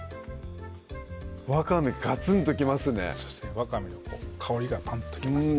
わかめの香りがパンときますね